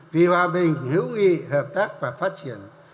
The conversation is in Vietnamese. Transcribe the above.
vì hòa bình hữu nghị hợp tác và phát triển